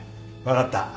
分かった。